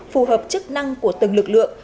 phù hợp chức năng của từng lực lượng